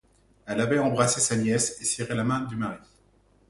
Elle avait embrassé sa nièce et serré la main du mari.